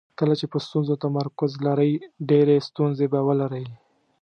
کله چې په ستونزو تمرکز لرئ ډېرې ستونزې به ولرئ.